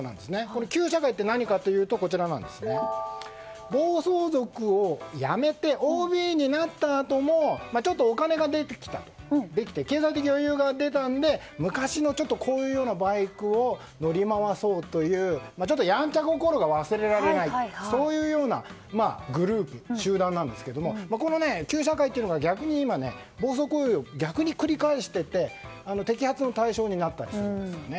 この旧車會とは何かというと暴走族を辞めてＯＢになったあともちょっとお金ができて経済的余裕が出たので昔のこういうようなバイクを乗り回そうというやんちゃ心が忘れられないそういうようなグループ、集団なんですがこの旧車會というのが逆に今、暴走行為を繰り返していて摘発の対象になっているんです。